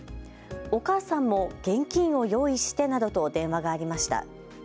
お母さんも現金を用意してなどと電話がありました。